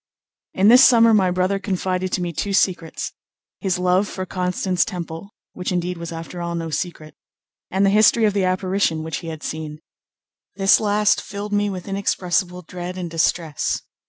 In this summer my brother confided to me two secrets, his love for Constance Temple, which indeed was after all no secret, and the history of the apparition which he had seen. This last filled me with inexpressible dread and distress.